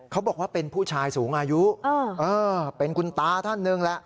เขาบอกว่าเป็นผู้ชายสูงอายุเป็นคุณตาท่านหนึ่งแหละ